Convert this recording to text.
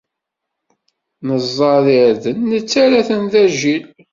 Neẓẓad irden, nettarra-ten d agil.